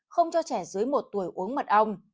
không cho trẻ dưới một tuổi uống mật ong